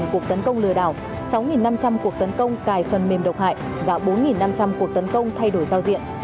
một cuộc tấn công lừa đảo sáu năm trăm linh cuộc tấn công cài phần mềm độc hại và bốn năm trăm linh cuộc tấn công thay đổi giao diện